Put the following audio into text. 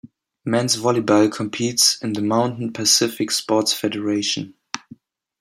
Men's Volleyball competes in the Mountain Pacific Sports Federation.